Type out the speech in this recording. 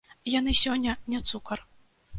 Яны сёння не цукар.